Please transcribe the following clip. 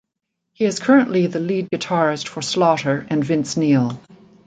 He is currently the lead guitarist for Slaughter and Vince Neil.